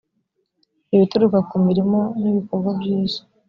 ibituruka ku mirimo n ibikorwa byiza